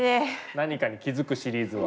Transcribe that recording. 何かに気付くシリーズは。